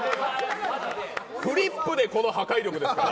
フリップでこの破壊力ですから。